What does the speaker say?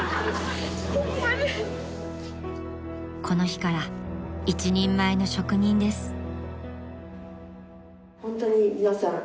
［この日から一人前の職人です］